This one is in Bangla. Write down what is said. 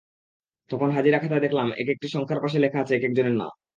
তখন হাজিরা খাতায় দেখলাম একেকটি সংখ্যার পাশে লেখা আছে একেকজনের নাম।